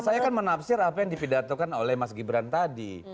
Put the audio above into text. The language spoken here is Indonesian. saya kan menafsir apa yang dipidatokan oleh mas gibran tadi